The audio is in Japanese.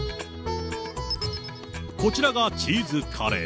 こちらがチーズカレー。